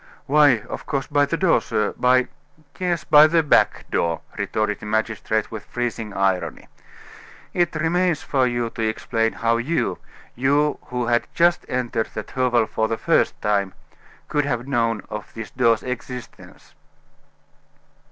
"Why, of course, by the door, sir by " "Yes, by the back door," retorted the magistrate, with freezing irony. "It remains for you to explain how you you who had just entered that hovel for the first time could have known of this door's existence."